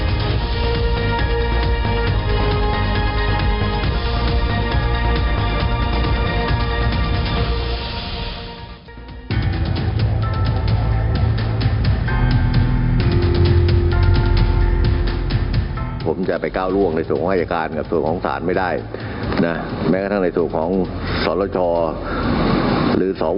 นะครับผมจะไปก้าวร่วงในส่วนไหว้อยาการตัวของสารไม่ได้นะแม้กระทั่งในส่วนของสอร์ทรชเหรอสวผมก็ไปสรรคารเลยไม่ได้มันมีอยู่ที่กลไกอะไรของเขาที่ทำออกมานะครับแล้วก็ตำรวจด้วย